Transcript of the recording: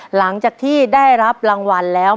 หลังจากที่ได้รับรางวัลแล้ว